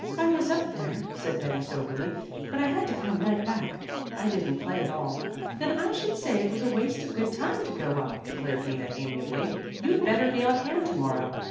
"I was up there," said Betty soberly, "but I had to come right back. I didn't play at all." "Then I should say it was a waste of good time to go up," declared Nita amiably. "You'd better be on hand to morrow.